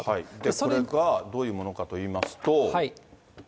それがどういうものかといいますと。